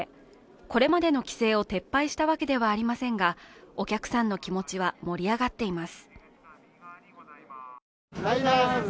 これまでの規制を撤廃したわけではありませんが、お客さんの気持ちは盛り上がっています。